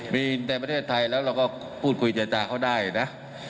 ในประเทศไทยแล้วเราก็พูดคุยเจรจาเขาได้นะ